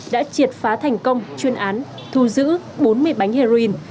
đã triệt phá thành công chuyên án thu giữ bốn mươi bánh heroin